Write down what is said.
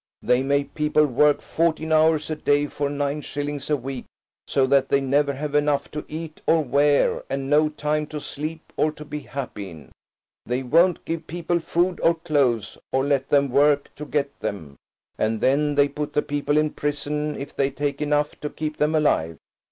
They make people work fourteen hours a day for nine shillings a week, so that they never have enough to eat or wear, and no time to sleep or to be happy in. They won't give people food or clothes, or let them work to get them; and then they put the people in prison if they take enough to keep them alive.